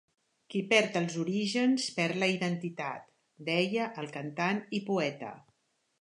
Qui perd els orígens perd la identitat, deia el cantant i poeta.